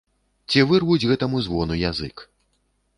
Ці вырвуць гэтаму звону язык.